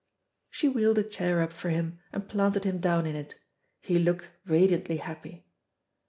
She wheeled a chair up for him, and planted him down in it. He looked radiantly happy.